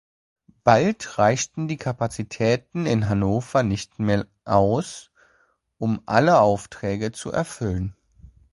Bald reichten die Kapazitäten in Hannover nicht mehr aus, um alle Aufträge zu erfüllen.